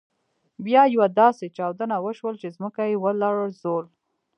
بیا یوه داسې چاودنه وشول چې ځمکه يې ولړزول.